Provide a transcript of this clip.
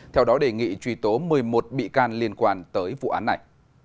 theo đó đề nghị truy tố một mươi một bị can liên quan tới vụ án này